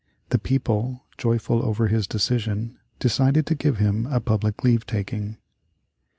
The people, joyful over his decision, decided to give him a public leave taking.